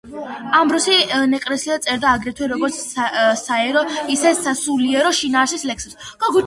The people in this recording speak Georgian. ამბროსი ნეკრესელი წერდა აგრეთვე როგორც საერო, ისე სასულიერო შინაარსის ლექსებს.